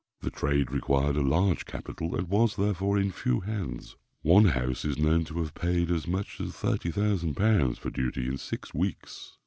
The trade required a large capital, and was, therefore, in few hands. One house is known to have paid as much as 30,000 pounds for duty in six weeks.